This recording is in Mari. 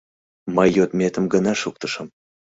Мый йодметым гына шуктышым.